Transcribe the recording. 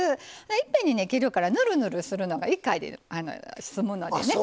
いっぺんに切るからぬるぬるするのが１回で済むのでね